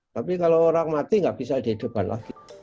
tapi kalau orang mati nggak bisa dihidupkan lagi